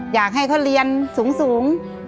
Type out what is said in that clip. อยากให้เขาเรียนสูง